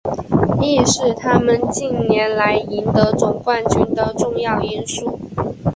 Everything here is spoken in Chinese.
亦是他们近年来赢得总冠军的重要因素。